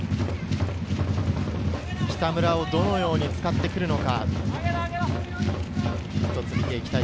北村をどのうように使ってくるのか。